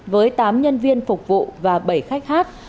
với tám nhân viên phục vụ và bảy khách hát